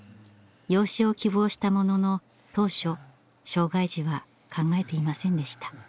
養子を希望したものの当初障害児は考えていませんでした。